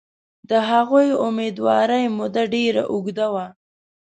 د هغوی امیندوارۍ موده ډېره اوږده وه.